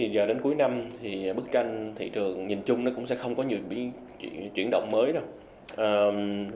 giờ đến cuối năm thì bức tranh thị trường nhìn chung nó cũng sẽ không có nhiều chuyển động mới đâu